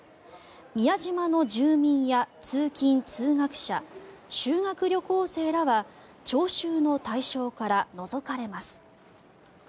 宮島の住民や通勤・通学者修学旅行生らは徴収の対象から除かれます。